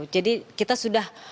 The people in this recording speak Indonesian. jadi kita sudah